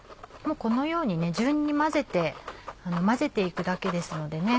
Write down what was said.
このように順に混ぜて行くだけですのでね。